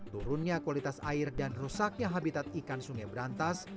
turunnya kualitas air dan rusaknya habitat ikan sungai berantas